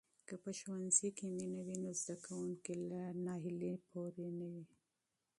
که په ښوونځي کې مینه وي، نو زده کوونکي له مایوسۍ پورې نه وي.